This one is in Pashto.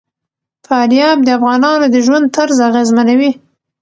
فاریاب د افغانانو د ژوند طرز اغېزمنوي.